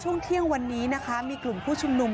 ช่วงเที่ยงวันนี้นะคะมีกลุ่มผู้ชุมนุม